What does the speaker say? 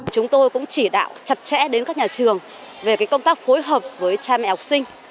chúng tôi cũng chỉ đạo chặt chẽ đến các nhà trường về công tác phối hợp với cha mẹ học sinh